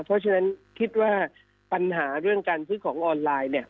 เพราะฉะนั้นคิดว่าปัญหาเรื่องการซื้อของออนไลน์เนี่ย